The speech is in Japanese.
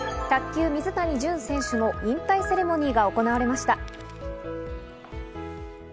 卓球の水谷隼選手の引退セレモニーが行われました。